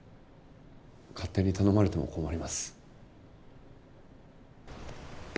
勝手に頼まれても困ります。